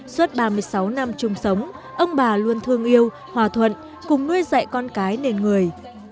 suốt ba mươi sáu năm chung sống ông bà luôn thương yêu hòa thuận cùng nuôi dạy con cái nền người